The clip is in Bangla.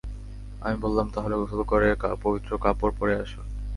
আমি বললাম, তাহলে গোসল করে পবিত্র কাপড় পরে আসুন।